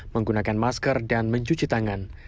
menggunakan masker dan mencuci tangan